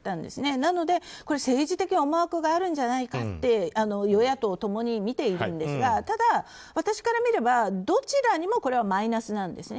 なので、政治的思惑があるんじゃないかって与野党共に見ているんですが私から見ればどちらにもこれはマイナスなんです。